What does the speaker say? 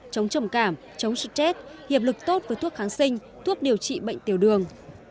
chống trầm cảm chống suất chết hiệp lực tốt với thuốc kháng sinh thuốc điều trị bệnh tiểu đường